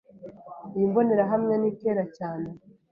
Iyi mbonerahamwe ni kera cyane.